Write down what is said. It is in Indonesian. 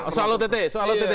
nah soal ott